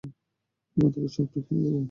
এখন থেকে সব ঠিক হয়ে যাবে।